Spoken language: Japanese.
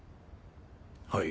はい。